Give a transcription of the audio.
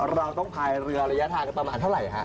เราต้องไปเรือระยะทางกันประมาณเท่าไรฮะ